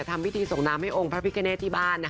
ทำพิธีส่งน้ำให้องค์พระพิกเนตที่บ้าน